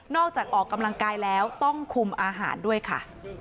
ออกกำลังกายแล้วต้องคุมอาหารด้วยค่ะ